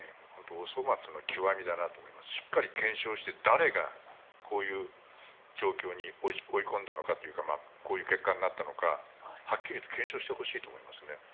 お粗末の極みだなと思いますししっかり検証して誰がこういう状況に追い込んだのかというかこういう結果になったのかはっきりと検証してほしいと思いますね。